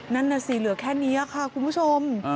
นั่นน่ะสิเหลือแค่นี้ค่ะคุณผู้ชม